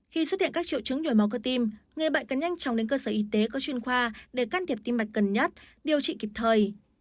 khi xuất hiện các triệu chứng nhồi máu cơ tim người bệnh cần nhanh chóng đến cơ sở y tế có chuyên khoa để can thiệp tim mạch cần nhất điều trị kịp thời